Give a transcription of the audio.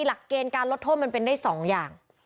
หลักเกณฑ์การลดโทษมันเป็นได้๒อย่าง